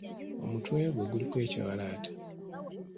Omutwe gwe guliko ekiwalaata.